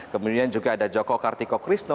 kemudian juga ada joko kartikokrisno